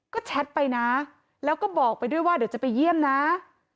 ก็แชทไปนะแล้วก็บอกไปด้วยว่าเดี๋ยวจะไปเยี่ยมนะ